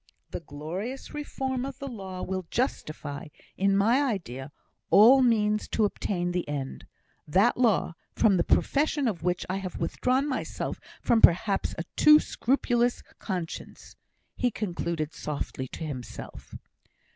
The glorious reform of the law will justify, in my idea, all means to obtain the end that law, from the profession of which I have withdrawn myself from perhaps a too scrupulous conscience!" he concluded softly to himself.